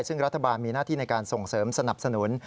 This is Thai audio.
ซึ่งรัฐบาลมีหน้าที่ในการส่งเสริมสนับสนุน